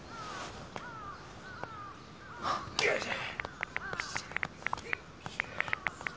よいしょ！